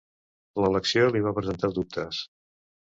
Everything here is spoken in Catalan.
L'elecció li va presentar dubtes.